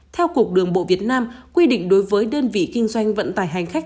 theo cục đường bộ việt nam quy định đối với đơn vị kinh doanh vận tải hành khách